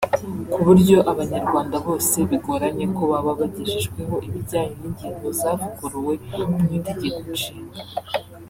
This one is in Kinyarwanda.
ku buryo Abanyarwanda bose bigoranye ko baba bagejejweho ibijyanye n’ingingo zavuguruwe mu Itegeko Nshinga